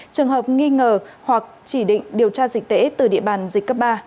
trường hợp nghi ngờ hoặc chỉ định điều tra dịch tễ từ địa bàn dịch cấp ba